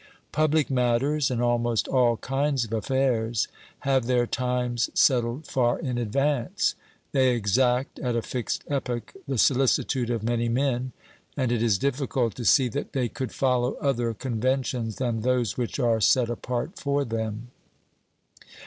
Pubhc matters, and ahnost all kinds of affairs, have their times settled far in advance ; they exact at a fixed epoch the solicitude of many men, and it is difficult to see that they could follow other conventions than those which are set apart for them.